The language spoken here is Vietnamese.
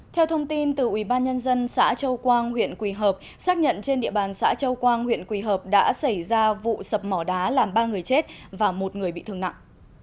theo thông tin từ ubnd xã châu quang huyện quỳ hợp xác nhận trên địa bàn xã châu quang huyện quỳ hợp đã xảy ra vụ sập mỏ đá làm ba người chết và một người bị thương nặng